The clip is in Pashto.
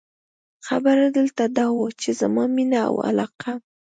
خبره دلته دا وه، چې زما مینه او علاقه.